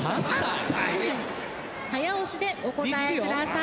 早押しでお答え下さい。